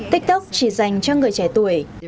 tiktok chỉ dành cho người trẻ tuổi